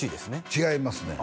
違いますね